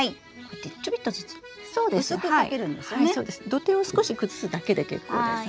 土手を少し崩すだけで結構です。